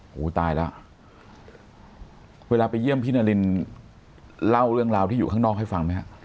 โอ้โหตายแล้วเวลาไปเยี่ยมพี่นารินเล่าเรื่องราวที่อยู่ข้างนอกให้ฟังไหมฮะ